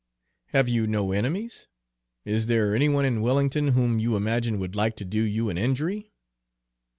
"Have you no enemies? Is there any one in Wellington whom you imagine would like to do you an injury?"